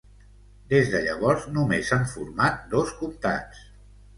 Des de llavors només s'han format dos comtats.